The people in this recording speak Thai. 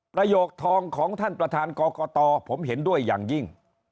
ประโยคทองของท่านประธานกรกตผมเห็นด้วยอย่างยิ่ง